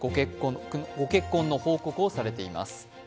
ご結婚の報告をされています。